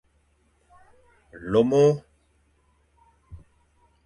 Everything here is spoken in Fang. Lomo.